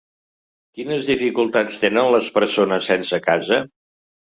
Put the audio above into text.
Quines dificultats tenen les persones sense casa?